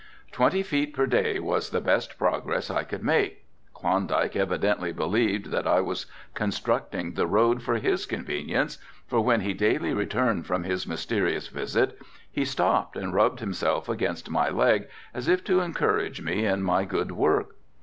Twenty feet per day was the best progress I could make. Klondike evidently believed that I was constructing the road for his convenience for when he daily returned from his mysterious visit he stopped and rubbed himself against my legs as if to encourage me in my good work.